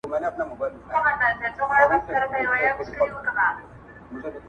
ما یوه شېبه لا بله ځنډولای-